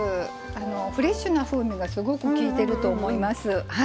フレッシュな風味がすごくきいてると思います。